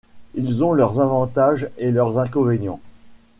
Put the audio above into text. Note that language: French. Ils ont leurs avantages et leurs inconvénients.